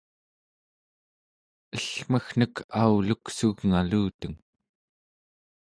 ellmeggnek auluksugngaluteng